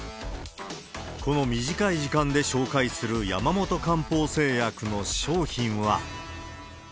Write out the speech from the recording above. この短い時間で紹介する山本漢方製薬の商品は。